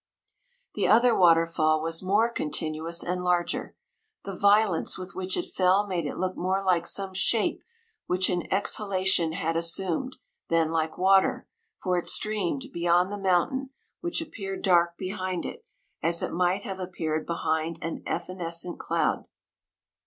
The other waterfall was more conti nuous and larger. The violence with which it fell made it look more like some shape which an exhalation had as sumed, than like water, for it streamed beyond the mountain, which appeared dark behind it, as it might have ap peared behind an evanescent cloud.